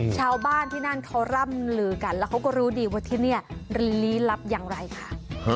ชาวบ้านที่นั่นเขาร่ำลือกันแล้วเขาก็รู้ดีว่าที่นี่ลี้ลับอย่างไรค่ะ